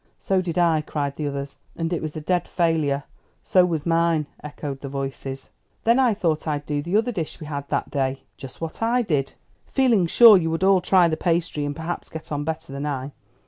"So did I," cried the others. "And it was a dead failure." "So was mine," echoed the voices. "Then I thought I'd do the other dish we had that day " "Just what I did." "Feeling sure you would all try the pastry, and perhaps get on better than I."